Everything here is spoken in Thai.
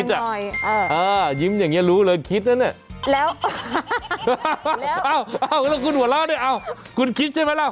ชอบลายยิ้มแบบอมเหินแต่เขลิกเลือกอันดันแดงหน่อย